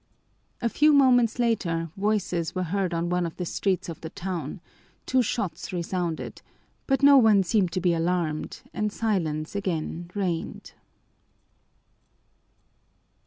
A few moments later voices were heard on one of the streets of the town, two shots resounded, but no one seemed to be alarmed and silence again reigned.